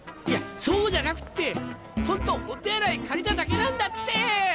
いやそうじゃなくってホントお手洗い借りただけなんだって。